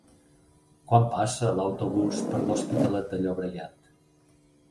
Quan passa l'autobús per l'Hospitalet de Llobregat?